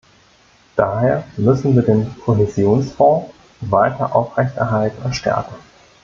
Daher müssen wir den Kohäsionsfonds weiter aufrechterhalten und stärken.